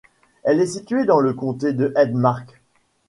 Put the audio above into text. Elle est située dans le comté de Hedmark.